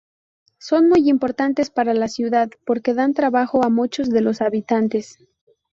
Son muy importantes para la ciudad, porque dan trabajo a muchos de los habitantes.